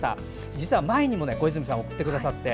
実は前にも小泉さん送ってくださって。